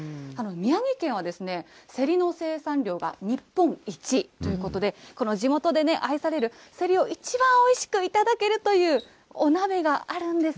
宮城県はせりの生産量が日本一ということで、地元で愛されるせりを、一番おいしくいただけるというお鍋があるんです。